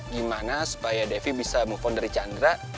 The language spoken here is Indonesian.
gimana supaya devi bisa move dari chandra